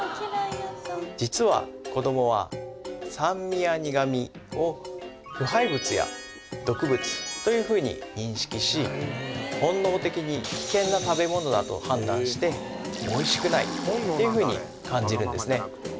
実は子どもは酸味や苦味を腐敗物や毒物というふうに認識し本能的に危険な食べ物だと判断しておいしくないというふうに感じるんですね